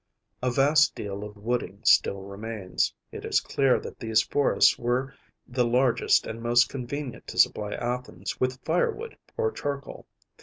A vast deal of wooding still remains; it is clear that these forests were the largest and most convenient to supply Athens with firewood or charcoal.